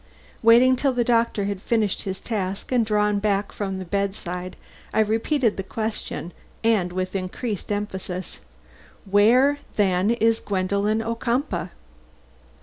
Waiting till the doctor had finished his task and drawn back from the bedside, I repeated the question and with increased emphasis: "Where, then, is Gwendolen Ocumpaugh?"